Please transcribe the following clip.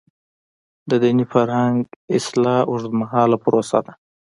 د دیني فرهنګ اصلاح اوږدمهاله پروسه ده.